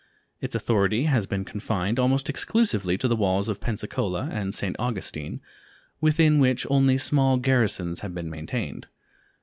Its authority has been confined almost exclusively to the walls of Pensacola and St. Augustine, within which only small garrisons have been maintained.